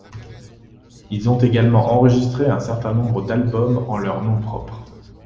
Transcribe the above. Ils ont également enregistré un certain nombre d'albums en leur nom propre.